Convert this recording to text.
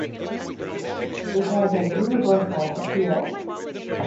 It has a universal appeal.